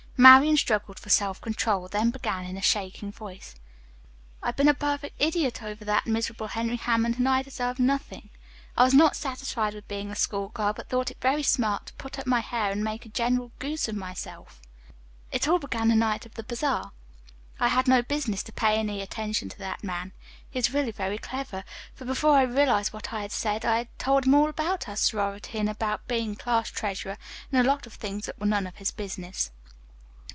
Marian struggled for self control, then began in a shaking voice. "I have been a perfect idiot over that miserable Henry Hammond, and I deserve everything. I was not satisfied with being a school girl, but thought it very smart to put up my hair and make a general goose of myself. "It all began the night of the bazaar. I had no business to pay any attention to that man. He is really very clever, for before I realized what I had said I had told him all about our sorority and about being class treasurer, and a lot of things that were none of his business.